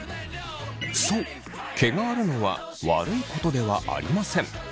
そう毛があるのは悪いことではありません。